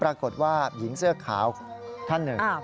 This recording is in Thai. ปรากฏว่าหญิงเสื้อขาวท่านหนึ่ง